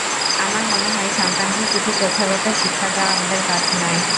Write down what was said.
আমার মনে হয়, সন্তানকে শুধু প্রথাগত শিক্ষা দেওয়া আমাদের কাজ নয়।